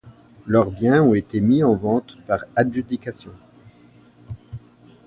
Leurs biens ont été mis en vente par adjudication.